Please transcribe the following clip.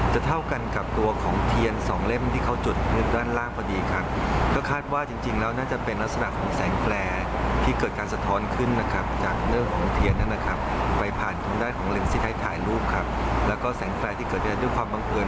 แสงแฟลชที่เกิดแล้วด้วยความบังเอิญ